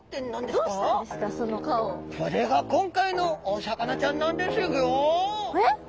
これが今回のお魚ちゃんなんですギョ！